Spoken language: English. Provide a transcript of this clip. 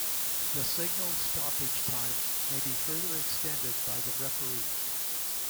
The signalled stoppage time may be further extended by the referee.